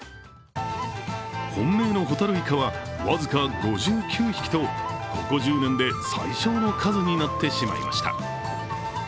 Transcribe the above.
本命のホタルイカは僅か５９匹とここ１０年で最少の数になってしまいました。